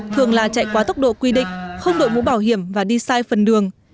thường là chạy quá tốc độ quy định không đội mũ bảo hiểm và đi sai phần đường